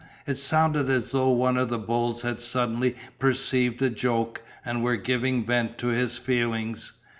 It sounded as though one of the bulls had suddenly perceived a joke and were giving vent to his feelings.